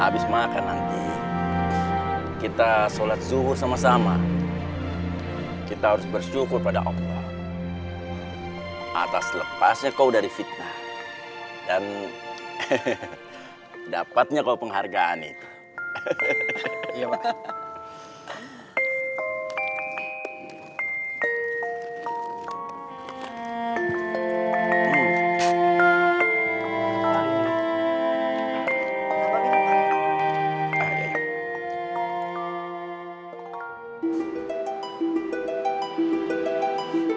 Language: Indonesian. habis makan nanti kita sholat zuhur sama sama kita harus bersyukur pada allah atas lepasnya kau dari fitnah dan hehehe dapetnya kau penghargaan itu